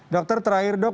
dokter terakhir dok